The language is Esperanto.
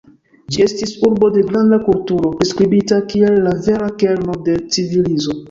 Ĝi estis urbo de granda kulturo, priskribita kiel la vera kerno de civilizo.